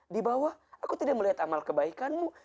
di bawah aku tidak melihat amal kebaikanmu